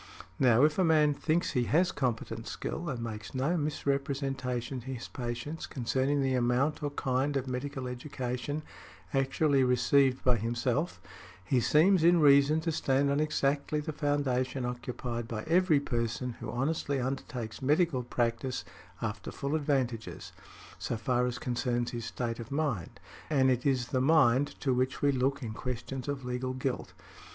Now, if a man thinks he has competent skill, and makes no misrepresentation to his patients concerning the amount or kind of medical education actually received by himself, he seems in reason to stand on exactly the foundation occupied by every person who honestly undertakes medical practice after full advantages, so far as concerns his state of mind, and it is the mind to which we look in questions of legal guilt.